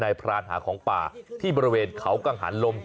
พรานหาของป่าที่บริเวณเขากังหารลม